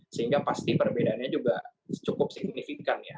sehingga pasti perbedaannya juga cukup signifikan ya